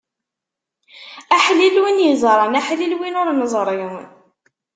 Aḥlil win iẓran, aḥlil win ur neẓri.